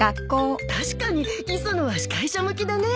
確かに磯野は司会者向きだね。